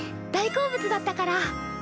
大好物だったから。